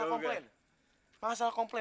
nah masalah komplain